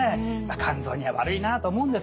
肝臓には悪いなあと思うんですけどもね。